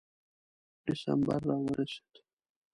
ډسمبر را ورسېد.